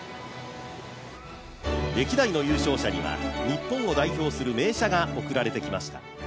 歴代の優勝者には日本を代表する名車が贈られてきました。